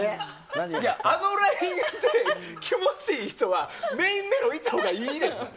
あのレベルで気持ちいい人はメインメロいったほうがええねん。